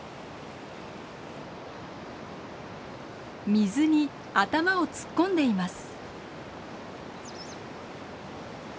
水に頭を突っ込んでいます。